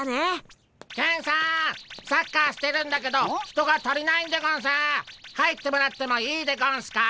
サッカーしてるんだけど人が足りないんでゴンス！入ってもらってもいいでゴンスか？